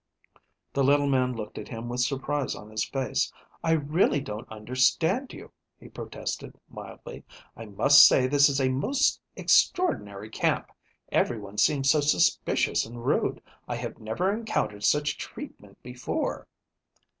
The little man looked at him with surprise on his face. "I really don't understand you," he protested mildly. "I must say this is a most extraordinary camp. Everyone seems so suspicious and rude. I have never encountered such treatment before."